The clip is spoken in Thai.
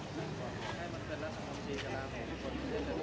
สวัสดีครับสวัสดีครับ